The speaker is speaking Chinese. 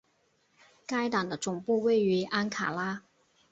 该党的总部位于安卡拉。